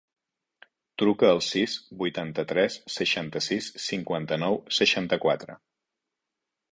Truca al sis, vuitanta-tres, seixanta-sis, cinquanta-nou, seixanta-quatre.